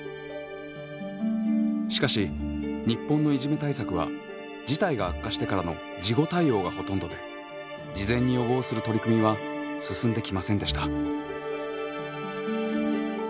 しかし日本のいじめ対策は事態が悪化してからの事後対応がほとんどで事前に予防する取り組みは進んできませんでした。